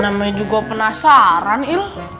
namanya juga penasaran il